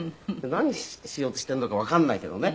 「何しようとしているのかわかんないけどね」